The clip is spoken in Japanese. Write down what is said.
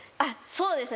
そうですね。